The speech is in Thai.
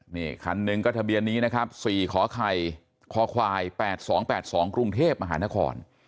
นี่คันหนึ่งก็ทะเบียนนี้นะครับ๔ขอไข่คควาย๘๒๘๒กรุงเทพมหานคร